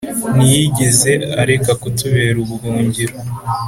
Ntiyigeze areka kutubera ubuhungiro